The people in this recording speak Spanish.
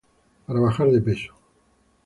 Para bajar de peso